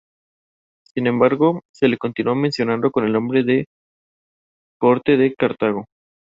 Sin embargo, se le continuó mencionando con el nombre de "Corte de Cartago".